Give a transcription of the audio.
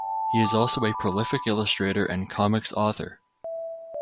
He is also a prolific illustrator and comics author.